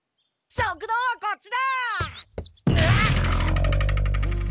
食堂はこっちだ！